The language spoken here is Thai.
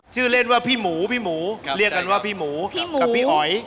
ชื่อเล่นว่าพี่หมูพี่หมูเรียกกันว่าพี่หมูกับพี่อ๋อย